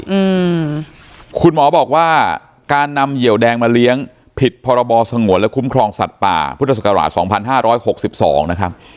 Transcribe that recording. อืมคุณหมอบอกว่าการนำเหยียวแดงมาเลี้ยงผิดพรบสงวนและคุ้มครองสัตว์ป่าพุทธศักราชสองพันห้าร้อยหกสิบสองนะครับ